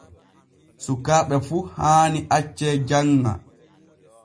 Sukaaɓe fu haani acce janŋa.